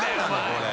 これ。